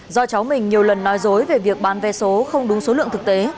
do cháu mình nhiều lần nói dối về việc bán vé số không đúng số lượng thực tế